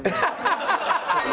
ハハハハ！